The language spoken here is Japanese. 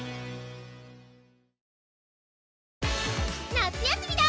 夏休みだ！